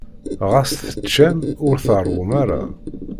Ɣas teččam, ur tṛewwum ara.